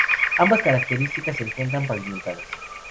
Ambas carreteras se encuentran pavimentadas.